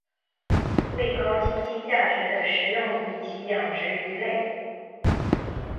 为高经济价值的食用鱼及养殖鱼类。